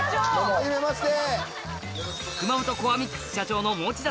はじめまして。